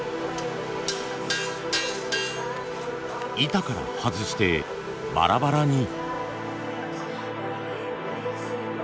板から外してバラバラに。